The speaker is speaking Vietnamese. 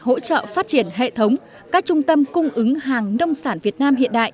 hỗ trợ phát triển hệ thống các trung tâm cung ứng hàng nông sản việt nam